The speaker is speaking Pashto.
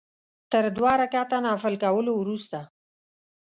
تر دوه رکعته نفل کولو وروسته.